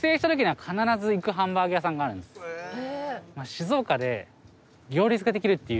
静岡で。